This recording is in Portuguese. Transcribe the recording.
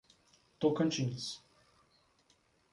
Tocantins